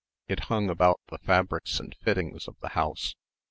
It hung about the fabrics and fittings of the house.